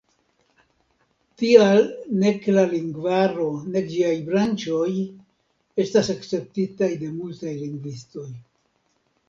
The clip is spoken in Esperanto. Tial nek la lingvaro, nek ĝiaj branĉoj, estas akceptitaj de multaj lingvistoj.